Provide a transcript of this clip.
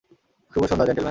শুভ সন্ধ্যা, জেন্টেলম্যান।